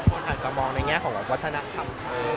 คนอาจจะมองในแง่ของวัฒนธรรมไทย